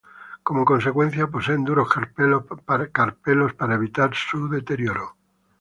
Como consecuencia, poseen duros carpelos para evitar su deterioro.